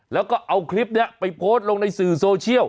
แล้วก็เอาคลิปนี้ไปโพสต์ลงในสื่อโซเชียล